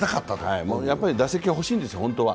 打席が欲しいんです、本当は。